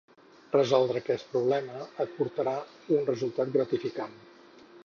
Resoldre aquest problema et portarà a un resultat gratificant